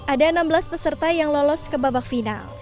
ada enam belas peserta yang lolos ke babak final